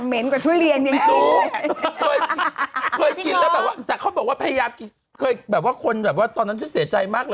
ง็อนี่คือเป็นเด็ดร่อนเลยอร่อยจริง